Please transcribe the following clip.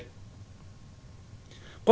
khái niệm sản phẩm